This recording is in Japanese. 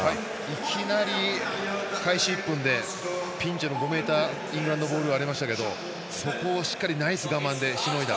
いきなり開始１分でイングランドのピンチの５ｍエリアがありましたけどそこをしっかりナイス我慢でしのいだ。